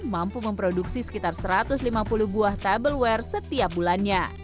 mampu memproduksi sekitar satu ratus lima puluh buah table setiap bulannya